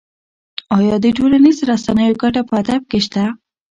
ایا د ټولنیزو رسنیو ګټه په ادب کې شته؟